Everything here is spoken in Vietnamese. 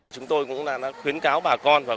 chúng tôi cũng khuyến cáo bà con